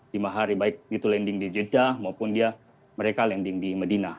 lima hari baik itu landing di jeddah maupun mereka landing di medina